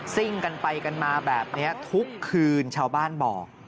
ซิ่งกันไปกันมาแบบนี้ทุกคืนชาวบ้านบอก